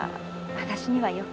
私にはよく。